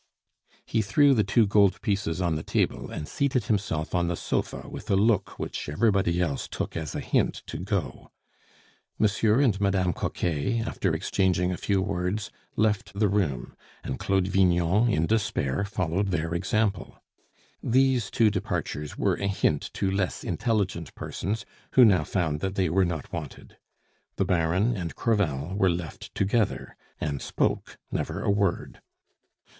He threw the two gold pieces on the table, and seated himself on the sofa with a look which everybody else took as a hint to go. Monsieur and Madame Coquet, after exchanging a few words, left the room, and Claude Vignon, in despair, followed their example. These two departures were a hint to less intelligent persons, who now found that they were not wanted. The Baron and Crevel were left together, and spoke never a word.